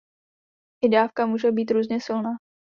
I dávka může být různě silná.